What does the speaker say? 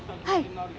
はい。